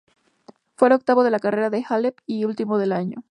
Fue el octavo de la carrera de Halep y último del año.